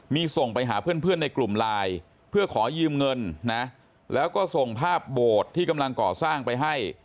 มีส่งไปหาเพื่อนในกลุ่มไลน์เพื่อขอยืมเงินนะแล้วก็ส่งภาพโบสถ์ที่กำลังก่อสร้างไปให้